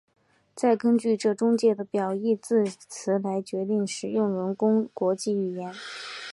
再根据这中介的表义字词来决定使用人工国际语言。